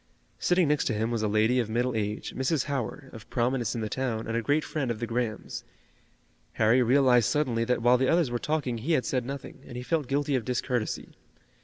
Sitting next to him was a lady of middle age, Mrs. Howard, of prominence in the town and a great friend of the Grahams. Harry realized suddenly that while the others were talking he had said nothing, and he felt guilty of discourtesy.